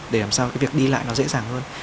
để làm sao cái việc đi lại nó dễ dàng hơn